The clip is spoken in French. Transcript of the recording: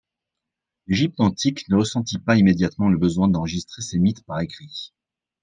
L'Égypte antique ne ressentit pas immédiatement le besoin d'enregistrer ses mythes par écrit.